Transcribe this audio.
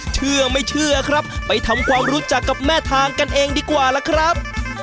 เชื่อไม่เชื่อครับไปทำความรู้จักกับแม่ทางกันเองดีกว่าล่ะครับ